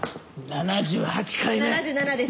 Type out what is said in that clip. ７８回目です。